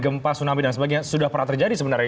gempa tsunami dan sebagainya sudah pernah terjadi sebenarnya